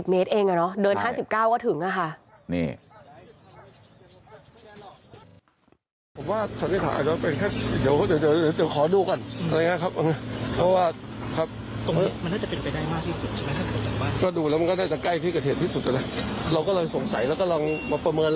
๕๐เมตรเองน่ะเนอะเดิน๕๙ก็ถึงน่ะค่ะ